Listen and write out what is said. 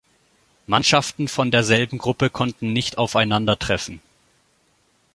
Mannschaften von derselben Gruppe konnten nicht aufeinandertreffen.